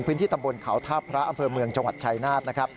พินที่ตำบลเขาธาพพระอำเภอเมืองจชายนาฏ